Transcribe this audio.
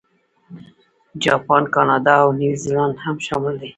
جاپان، کاناډا، او نیوزیلانډ هم شامل دي.